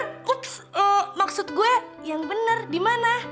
yang bener ups maksud gue yang bener dimana